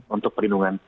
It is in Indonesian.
untuk perlindungan diri